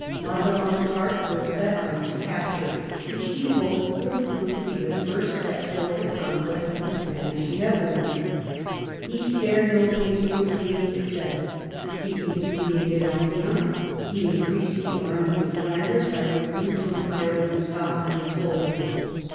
Mazarin's heart was set on its capture, which he hoped would prove to be the first step towards the conquest of the Spanish Netherlands. He spared no pains to attain success. He conciliated Enghien ; he increased the army in Flanders by recruits from Ireland, Scotland, and Poland.